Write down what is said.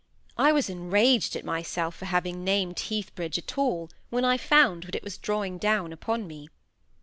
I was enraged at myself for having named Heathbridge at all, when I found what it was drawing down upon me.